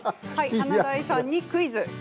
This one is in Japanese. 華大さんにクイズです。